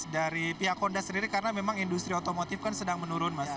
dari pihak honda sendiri karena memang industri otomotif kan sedang menurun mas